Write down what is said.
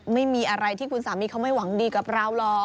ไม่มีอะไรที่คุณสามีเขาไม่หวังดีกับเราหรอก